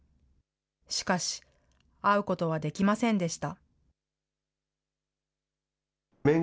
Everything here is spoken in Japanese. しかし、会うことはできませんでした。